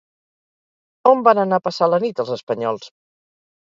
On van anar a passar la nit els espanyols?